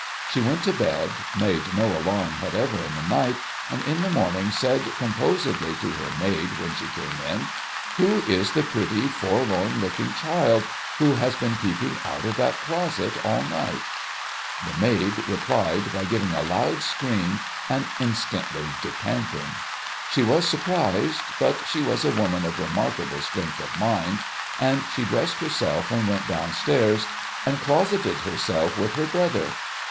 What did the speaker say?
She went to bed, made no alarm whatever in the night, and in the morning said composedly to her maid when she came in, ' Who is the pretty forlorn looking child who has been peeping out of that closet all night ?' The maid replied by giving a loud scream, and instantly decamping. She was surprised ; but she was a woman of remarkable strength of mind, and she dressed herself and went downstairs, and closeted herself with her brother.